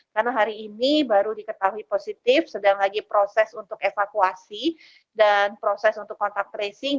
karena hari ini baru diketahui positif sedang lagi proses untuk evakuasi dan proses untuk kontak tracing